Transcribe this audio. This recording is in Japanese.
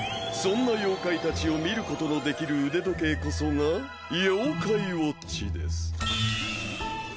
そんな妖怪たちを見ることのできる腕時計こそが妖怪ウォッチです。